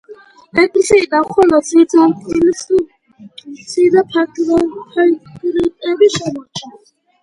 ეკლესიიდან მხოლოდ საძირკვლის მცირე ფრაგმენტები შემორჩა.